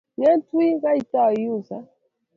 nget wiy kaitou iusa